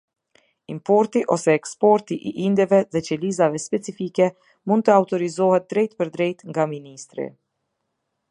Importi ose eksporti i indeve dhe qelizave specifike mund të autorizohet drejtëpërdrejtë nga Ministri.